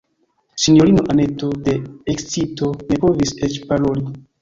Sinjorino Anneto de ekscito ne povis eĉ paroli.